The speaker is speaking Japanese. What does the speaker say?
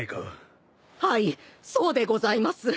はいそうでございます。